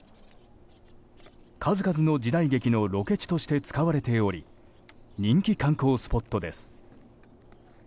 数々の時代劇のロケ地として使われており人気観光スポットです。